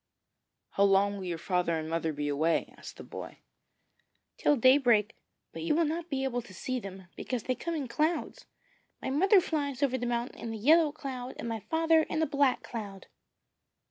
'How long will your father and mother be away?' asked the boy. 'Till daybreak; but you will not be able to see them, because they come in clouds. My mother flies over the mountain in a yellow cloud, and my father in a black cloud.'